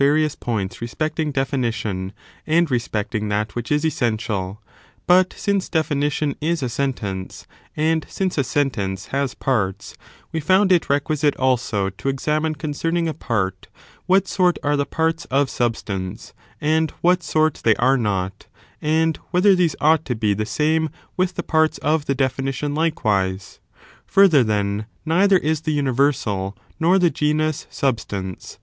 [bOOK YIL tion, and respecting that which is essentiaL But since definition is a sentence, and since a sentence has parts, we found it requisite also to examine concerning a part, what sort are the parts of substance,, and what sort they are not, and whether these ought to be the same with the parts of the definition likewise? Further, then, neither is tiie uni versal ^ nor the genus substance.